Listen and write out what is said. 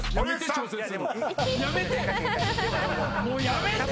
やめて！